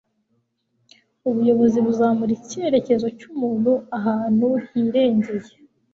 ubuyobozi buzamura icyerekezo cy'umuntu ahantu hirengeye